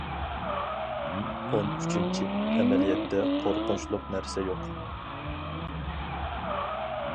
ئون ئۈچىنچى، ئەمەلىيەتتە، قورقۇنچلۇق نەرسە يوق.